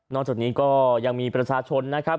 จากนี้ก็ยังมีประชาชนนะครับ